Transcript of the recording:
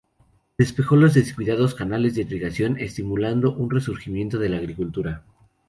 Despejó los descuidados canales de irrigación estimulando un resurgimiento de la agricultura.